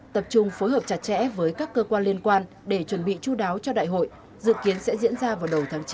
tập trung phối hợp chặt chẽ với các cơ quan liên quan để chuẩn bị chú đáo cho đại hội dự kiến sẽ diễn ra vào đầu tháng chín năm hai nghìn hai mươi ba